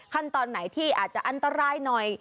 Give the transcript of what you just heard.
ขั้นตอนไหนที่อาจจะอันตรายหน่อย